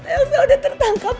elsa udah tertangkap